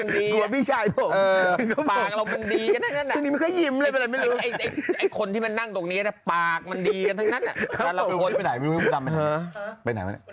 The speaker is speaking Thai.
ทางเราไปไปไหนไปนี่หรอครับ